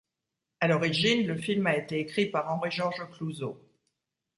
À l'origine, le film a été écrit par Henri-Georges Clouzot.